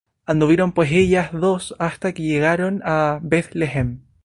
Anduvieron pues ellas dos hasta que llegaron á Beth-lehem